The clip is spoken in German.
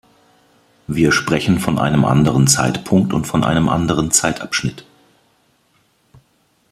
Wir sprechen von einem anderen Zeitpunkt und von einem anderen Zeitabschnitt.